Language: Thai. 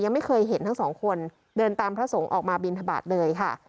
ไม่เคยเห็นทั้งสองคนเดินตามพระสงฆ์ออกมาบินทบาทเลยค่ะ